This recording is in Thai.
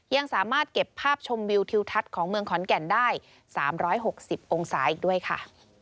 ยังสามารถเก็บภาพชมวิวทิวทัศน์ของเมืองขอนแก่นได้๓๖๐องศาอีกด้วยค่ะ